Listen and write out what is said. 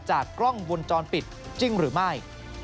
กล้องวงจรปิดจริงหรือไม่